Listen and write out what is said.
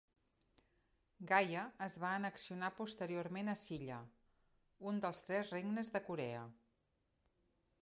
Gaya es va annexionar posteriorment a Silla, un dels tres regnes de Corea.